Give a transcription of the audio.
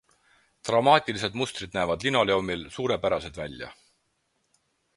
Dramaatilised mustrid näevad linoleumil suurepärased välja.